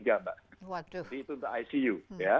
jadi itu untuk icu